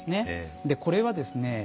でこれはですね